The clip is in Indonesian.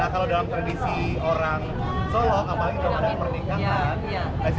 kalau dalam tradisi orang solok amal amal itu